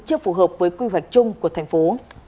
chưa phù hợp với quy hoạch chung của thành phố